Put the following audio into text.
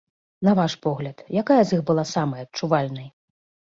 На ваш погляд, якая з іх была самай адчувальнай?